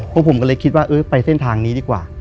พวกผมก็เลยคิดว่าเออไปเส้นทางนี้ดีกว่า